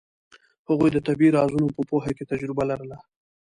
هغوی د طبیعي رازونو په پوهه کې تجربه لرله.